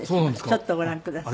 ちょっとご覧ください。